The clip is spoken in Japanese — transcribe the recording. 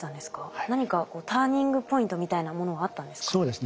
何かターニングポイントみたいなものはあったんですか？